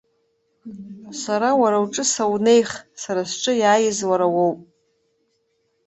Сара уара уҿы саунеих, сара сҿы иааиз уара уоуп!